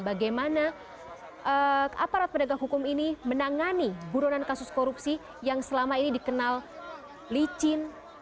bagaimana aparat pedagang hukum ini menangani buronan kasus korupsi yang selama ini dikenal licin